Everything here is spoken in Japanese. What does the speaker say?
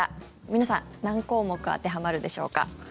皆さん何項目当てはまるでしょうか。